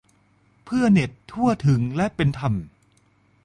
เพื่อเน็ตทั่วถึงและเป็นธรรม